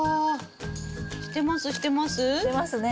してますね。